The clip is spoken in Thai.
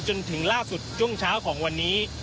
จนถึงล่าสุดช่วงเช้าของวันนี้